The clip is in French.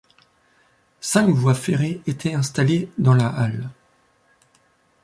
Cinq voies ferrées étaient installées dans la halle.